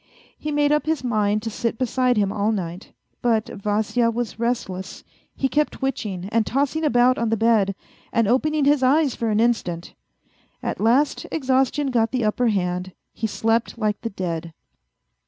He made up his mind to sit beside him all night. But Vasya was restless; he kept twitching and tossing about on the bed, and opening his eyes for an instant. At last exhaustion got the upper hand, he slept like the dead.